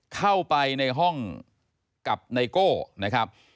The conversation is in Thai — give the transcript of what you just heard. เข้าไปในห้องกับไนโก้นะครับ